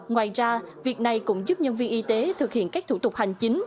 ngoài ra việc này cũng giúp nhân viên y tế thực hiện các thủ tục hành chính